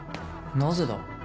なぜだ？